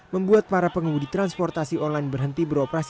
membuat para pengemudi transportasi online tidak bisa beroperasi